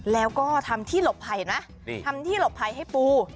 แล้วก็ทำที่หลบไผ่นะทำที่หลบไผ่ให้ปู